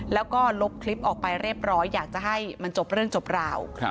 แล้วก็ลบคลิปออกไปเรียบร้อยอยากจะให้มันจบเรื่องจบราว